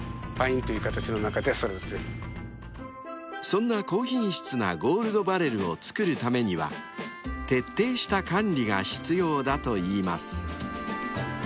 ［そんな高品質なゴールドバレルを作るためには徹底した管理が必要だといいます］